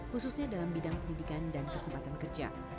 khususnya dalam bidang pendidikan dan kesempatan kerja